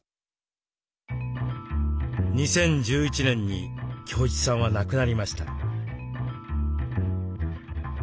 ２０１１年に京一さんは亡くなりました。